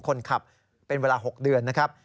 คนขับเป็นเวลา๖เดือนนะครับ